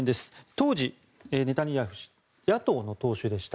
当時、ネタニヤフ首相野党の党首でした。